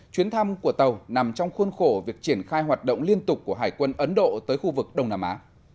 chuyến thăm của tàu nằm trong khuôn khổ việc triển khai hoạt động liên tục của hải quân ấn độ tới khu vực đông nam á